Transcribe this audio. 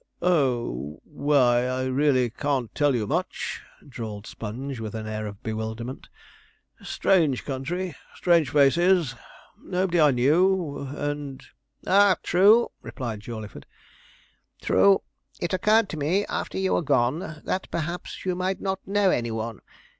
'Oh, why, I really can't tell you much,' drawled Sponge, with an air of bewilderment. 'Strange country strange faces nobody I knew, and ' 'Ah, true,' replied Jawleyford, 'true. It occurred to me after you were gone, that perhaps you might not know any one.